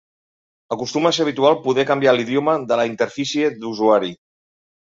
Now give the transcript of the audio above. Acostuma a ser habitual poder canviar l'idioma de la interfície d'usuari.